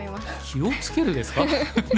気を付けるですか？